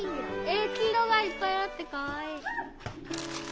黄色がいっぱいあってかわいい。